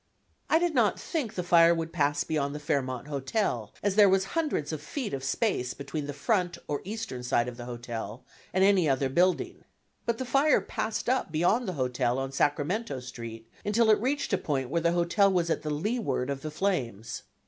I did not think the fire would pass beyond the Fairmont Hotel, as there was hundreds of feet of space between the front or eastern side of the hotel, and any other building. But the fire passed up beyond the hotel on Sacramento Street until it reached a point where the hotel was at the leeward of the flames.